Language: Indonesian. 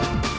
ya udah dut